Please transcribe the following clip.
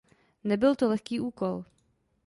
Nebyl to lehký úkol.